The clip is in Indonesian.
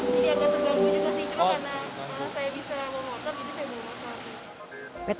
cuma karena saya bisa memotor jadi saya bekerja